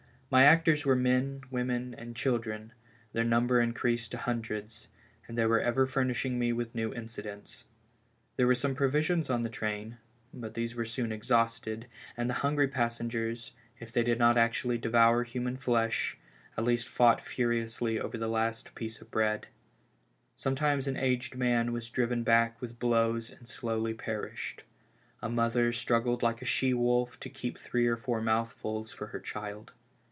My actors were men, women and children; their number increased to hundreds, and they were ever furnishing rne with new incidents. There were some provisions in the train, but these were soon exhausted, and the hungry passengers, if they did not actually devour human flesh, at least fought furiously over the last piece of bread. Sometimes an aged man was driven back with blows and slowly perished; a mother struggled like a she wolf to keep three or four mouthfuls for her child.